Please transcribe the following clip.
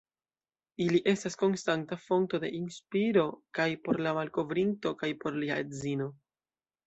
Ili estas konstanta fonto de inspiro kaj por la malkovrinto kaj por lia edzino.